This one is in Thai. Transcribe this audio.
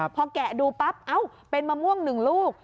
พอแกะดูปั๊บเอ้าเป็นมะม่วง๑ลูก